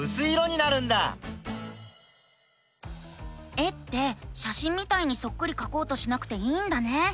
絵ってしゃしんみたいにそっくりかこうとしなくていいんだね。